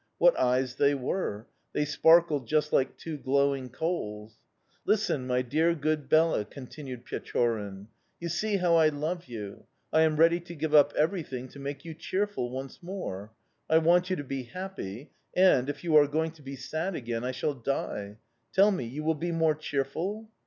What eyes they were! They sparkled just like two glowing coals. "'Listen, my dear, good Bela!' continued Pechorin. 'You see how I love you. I am ready to give up everything to make you cheerful once more. I want you to be happy, and, if you are going to be sad again, I shall die. Tell me, you will be more cheerful?